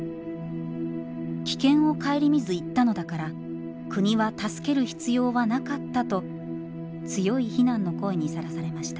危険を顧みず行ったのだから国は助ける必要はなかったと強い非難の声にさらされました。